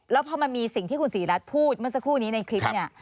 แล้วพอมันมีสิ่งที่คุณศรีรัฐพูดเมื่อสักครู่นี้ในคลิปเนี่ย